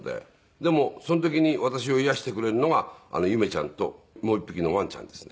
でもその時に私を癒やしてくれるのが夢ちゃんともう一匹のワンちゃんですので。